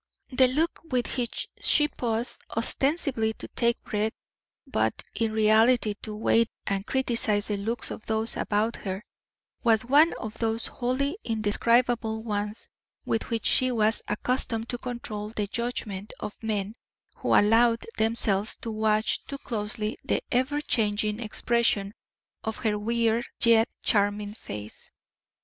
The look with which she paused, ostensibly to take breath, but in reality to weigh and criticise the looks of those about her, was one of those wholly indescribable ones with which she was accustomed to control the judgment of men who allowed themselves to watch too closely the ever changing expression of her weird yet charming face.